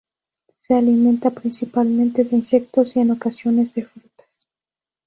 Se alimenta principalmente de insectos y en ocasiones de frutas.